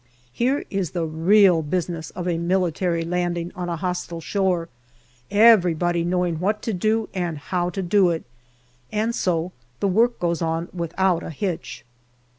Here is the real business of a military landing on a hostile shore, every body knowing what to do and how to do it, and so the work goes on without a hitch.